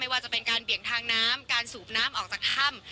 ว่าจะเป็นการเบี่ยงทางน้ำการสูบน้ำออกจากถ้ำ